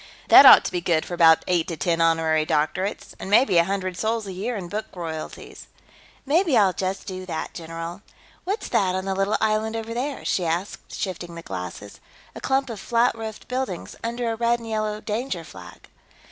That ought to be good for about eight to ten honorary doctorates. And maybe a hundred sols a year in book royalties." "Maybe I'll just do that, general.... What's that, on the little island over there?" she asked, shifting the glasses. "A clump of flat roofed buildings. Under a red and yellow danger flag."